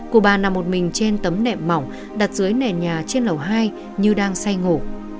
cụ bà nằm một mình trên tấm nệm mỏng đặt dưới nền nhà trên lầu hai như đang say ngủ